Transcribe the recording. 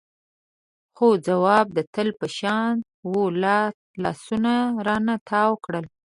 خو ځواب د تل په شان و تا لاسونه رانه تاو کړل.